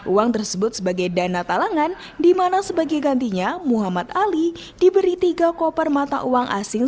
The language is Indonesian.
uang tersebut sebagai dana talangan dimana sebagai gantinya muhammad ali diberi tiga koper mata uang asing